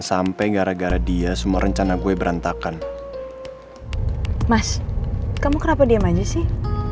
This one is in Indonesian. sampai gara gara dia semua rencana gue berantakan mas kamu kenapa dia mainnya sih